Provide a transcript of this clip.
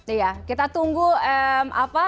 iya kita tunggu apa